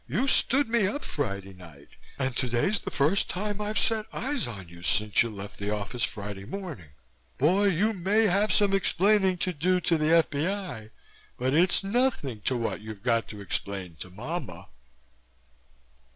You stood me up Friday night and today's the first time I've set eyes on you since you left the office Friday morning. Boy, you may have some explaining to do to the F.B.I., but it's nothing to what you got to explain to momma."